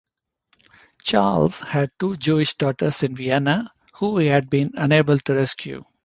Charles had two Jewish daughters in Vienna who he had been unable to rescue.